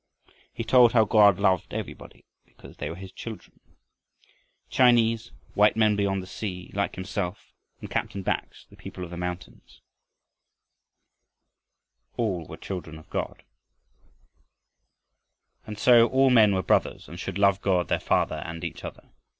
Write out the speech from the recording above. He told how God loved everybody, because they were his children. Chinese, white men beyond the sea like himself and Captain Bax, the people of the mountains, all were God's children. And so all men were brothers, and should love God their Father and each other.